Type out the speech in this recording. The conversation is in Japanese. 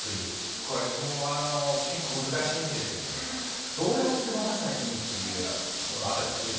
これもう結構難しいんですけどもどうやって飲ませたらいいというようなあったりとかするんですか？